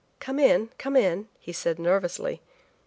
"Come in, come in," he said nervously.